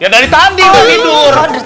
ya dari tadi udah tidur